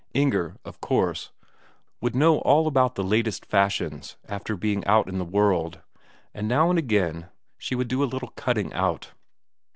Inger, of course, would know all about the latest fashions, after being out in the world, and now and again she would do a little cutting out.